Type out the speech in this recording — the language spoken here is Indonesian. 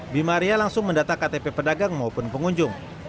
bima arya langsung mendata ktp pedagang maupun pengunjung